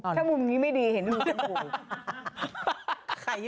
ถ้ามุมนี้ไม่ดีเห็นอะไรเจ้าหนู